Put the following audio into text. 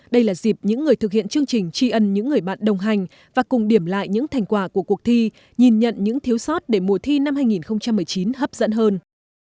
đây là dịp những người thực hiện chương trình tri ân những người bạn đồng hành và cùng điểm lại những thành quả của cuộc thi nhìn nhận những thiếu sót để mùa thi năm hai nghìn một mươi chín hấp dẫn hơn